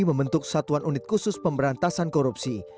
membentuk satuan unit khusus pemberantasan korupsi